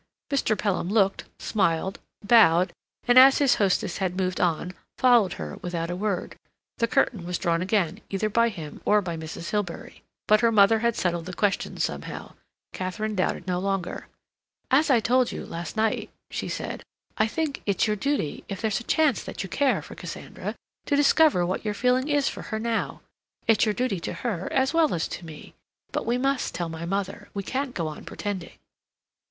Mr. Pelham looked, smiled, bowed, and, as his hostess had moved on, followed her without a word. The curtain was drawn again either by him or by Mrs. Hilbery. But her mother had settled the question somehow. Katharine doubted no longer. "As I told you last night," she said, "I think it's your duty, if there's a chance that you care for Cassandra, to discover what your feeling is for her now. It's your duty to her, as well as to me. But we must tell my mother. We can't go on pretending."